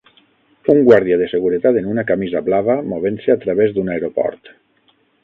Un guàrdia de seguretat en una camisa blava movent-se a través d'un aeroport